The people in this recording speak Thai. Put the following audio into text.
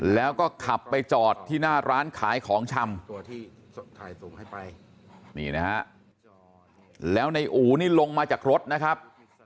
แล้วก็ขับไปจอดที่หน้าร้านขายของชำนี่นะฮะแล้วในอู๋นี่ลงมาจากรถนะครับ